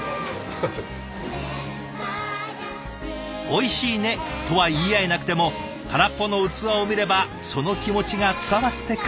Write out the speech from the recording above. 「おいしいね」とは言い合えなくても空っぽの器を見ればその気持ちが伝わってくる。